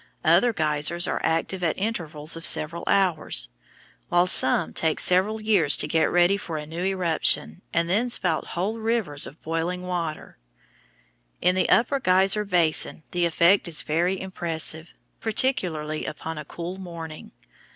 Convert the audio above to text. Other geysers are active at intervals of several hours, while some take several years to get ready for a new eruption and then spout whole rivers of boiling water. In the Upper Geyser Basin the effect is very impressive, particularly upon a cool morning.